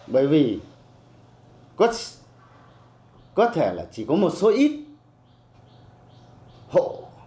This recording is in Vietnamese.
bởi vì có thể là chỉ có một số ít hộ